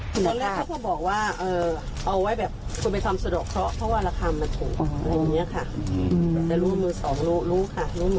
ตอนแรกเค้าเค้าบอกว่าเออเอาไว้แบบคุณไปทำสะดวกเพราะเพราะว่าราคามันถูก